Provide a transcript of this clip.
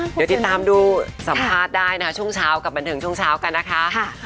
เดี๋ยวติดตามดูสัมภาษณ์ได้นะคะช่วงเช้ากับบันเทิงช่วงเช้ากันนะคะ